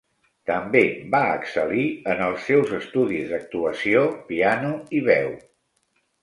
També va excel·lir en els seus estudis d'actuació, piano i veu.